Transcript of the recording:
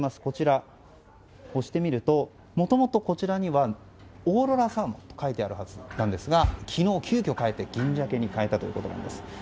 こちら、押してみるともともと、こちらにはオーロラサーモンと書いてあるはずなんですが昨日、急きょ変えて銀鮭に変えたということなんです